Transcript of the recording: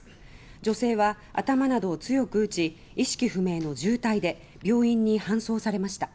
女性は頭などを強く打ち意識不明の重体で病院に搬送されました。